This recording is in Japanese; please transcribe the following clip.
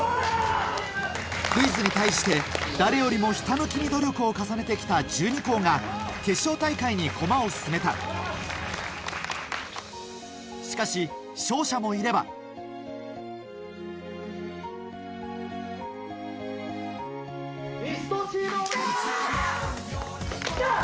クイズに対して誰よりもひたむきに努力を重ねて来た１２校が決勝大会に駒を進めたしかし勝者もいれば西頭チームおめでとう！